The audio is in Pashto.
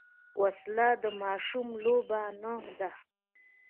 وسله د ماشوم لوبه نه ده